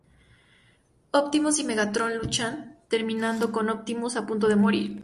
Optimus y Megatron luchan, terminando con Optimus a punto de morir.